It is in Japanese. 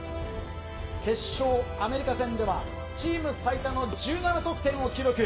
決勝、アメリカ戦ではチーム最多の１７得点を記録。